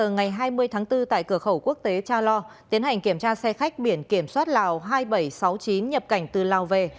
ngày hai mươi tháng bốn tại cửa khẩu quốc tế cha lo tiến hành kiểm tra xe khách biển kiểm soát lào hai nghìn bảy trăm sáu mươi chín nhập cảnh từ lào về